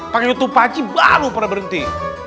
pake youtube paci baru pada berhenti